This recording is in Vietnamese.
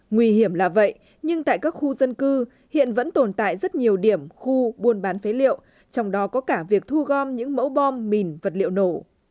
nguy hiểm là vậy nhưng tại các khu dân cư hiện vẫn tồn tại rất nhiều điểm khu buôn bán phế liệu trong đó có cả việc thu gom những mẫu bom mìn vật liệu nổ